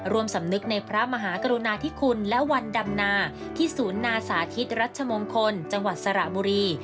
สำนึกในพระมหากรุณาธิคุณและวันดำนาที่ศูนย์นาสาธิตรัชมงคลจังหวัดสระบุรี